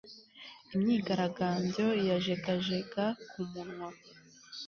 Imyigaragambyo yajegajega ku munwa